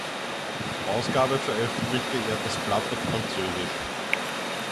Ausgabe veröffentlichte er das Blatt auf französisch.